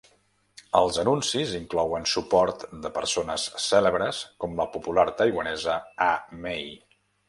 Els anuncis inclouen suport de persones cèlebres com la popular taiwanesa A-Mei.